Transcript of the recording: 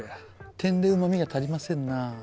てんでうまみが足りませんなぁ。